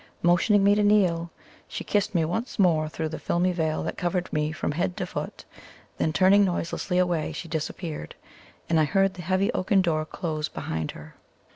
Motioning me to kneel, she kissed me once more through the filmy veil that covered me from head to foot; then turning noiselessly away she disappeared, and I heard the heavy oaken door close behind her.